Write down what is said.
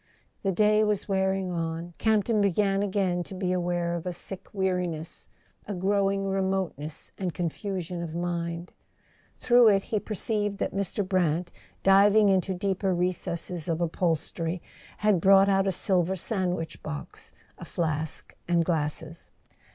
The day was wearing on—Campton began again to be aware of a sick weariness, a growing remoteness and confusion of mind. Through it he perceived that Mr. Brant, diving into deeper recesses of upholstery, had brought out a silver sandwich box, a flask and glasses.